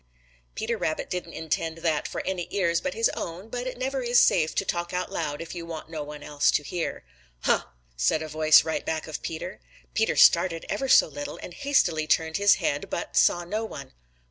|PETER RABBIT didn't intend that for any ears but his own, but it never is safe to talk out loud if you want no one else to hear. "Huh!" said a voice right back of Peter. Peter started ever so little and hastily turned his head, but saw no one.